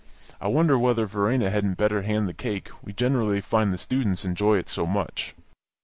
I wonder whether Verena hadn't better hand the cake; we generally find the students enjoy it so much."